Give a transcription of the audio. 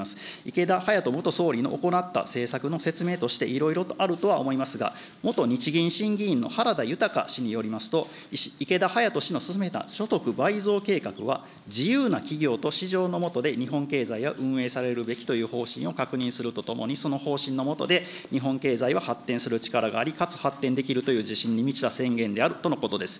池田勇人元総理の行った政策の説明としていろいろとあるとは思いますが、元日銀審議員の原田ゆたか氏によりますと、池田勇人氏の進めた所得倍増計画は、自由な企業と市場のもとで、日本経済や運営されるべきという方針を確認するとともに、その方針の下で、日本経済は発展する力があり、かつ発展できるという自信に満ちた宣言であるとのことです。